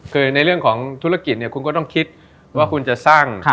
คือในเรื่องของธุรกิจเนี่ยคุณก็ต้องคิดว่าคุณจะสร้าง